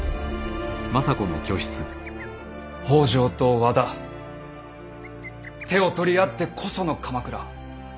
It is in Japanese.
北条と和田手を取り合ってこその鎌倉。